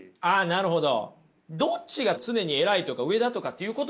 なるほど。